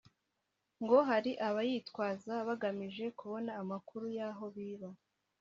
ngo hari abayitwaza bagamije kubona amakuru y’aho biba